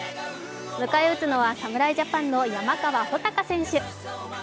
迎え打つのは侍ジャパンの山川穂高選手。